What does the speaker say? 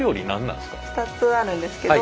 ２つあるんですけど。